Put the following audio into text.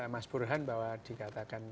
mas burhan bahwa dikatakan